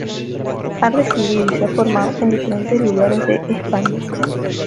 Ha residido y se ha formado en diferentes lugares de España.